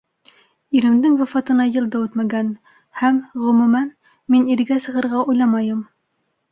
Иремдең вафатына йыл да үтмәгән, һәм, ғөмүмән, мин иргә сығырға уйламайым!